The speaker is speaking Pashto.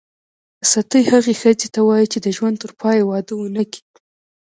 ستۍ هغه ښځي ته وايي چي د ژوند ترپایه واده ونه کي.